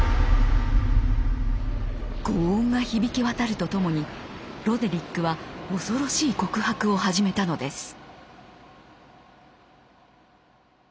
轟音が響き渡るとともにロデリックは恐ろしい告白を始めたのです。